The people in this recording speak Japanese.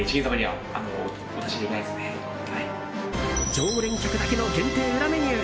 常連客だけの限定裏メニュー。